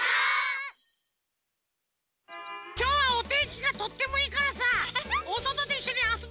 きょうはおてんきがとってもいいからさおそとでいっしょにあそぼう！